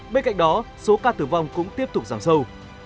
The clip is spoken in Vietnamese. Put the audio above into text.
bên cạnh đó số ca tử vong cũng tiếp tục giảm sâu